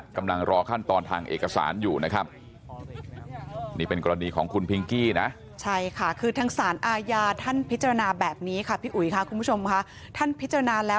กำลังรอขั้นตอนทางเอกสารอยู่นะครับนี่เป็นกรณีของคุณพิงกี้นะ